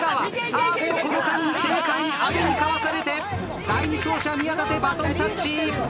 あっとこの間に軽快に阿部にかわされて第２走者宮舘バトンタッチ。